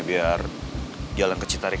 biar jalan ke citarik